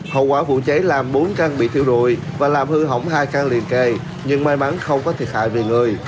hậu quả vụ cháy làm bốn trang bị thiêu rụi và làm hư hỏng hai căn liền kề nhưng may mắn không có thiệt hại về người